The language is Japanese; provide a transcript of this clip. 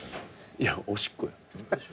いやおしっこよ。